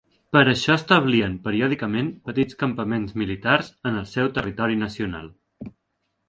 Per això establien periòdicament petits campaments militars en el seu territori nacional.